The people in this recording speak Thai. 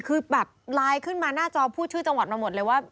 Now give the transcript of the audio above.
คือแบบไลน์ขึ้นมาหน้าจอพูดชื่อจังหวัดมาหมดเลยว่า